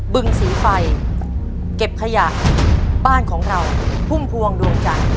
บึงสีไฟเก็บขยะบ้านของเราพุ่มพวงดวงจันทร์